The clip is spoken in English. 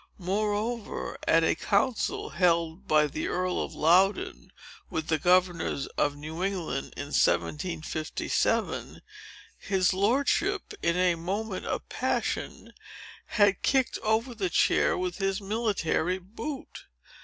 Moreover, at a council held by the Earl of Loudon with the governors of New England, in 1757, his lordship, in a moment of passion, had kicked over the chair with his military boot.